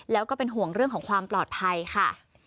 แล้วก็เป็นห่วงเรื่องของความปลอดภัยค่ะ